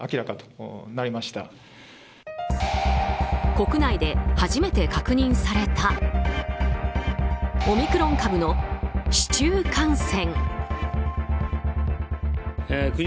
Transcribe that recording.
国内で初めて確認されたオミクロン株の市中感染。